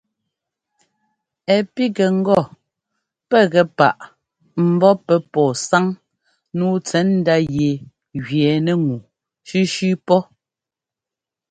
Ɛ́ pígɛ ŋgɔ pɛ́ gɛ páꞌ ḿbɔ́ pɛ́ pɔ́ɔ sáŋ nǔu tsɛ̌ndá yɛ gẅɛɛnɛ́ ŋu sʉ́sʉ́ pɔ́.